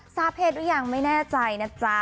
ทราบเพศหรือยังไม่แน่ใจนะจ๊ะ